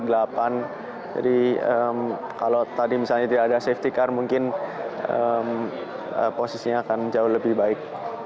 jadi kalau tadi misalnya tidak ada safety car mungkin posisinya akan jauh lebih baik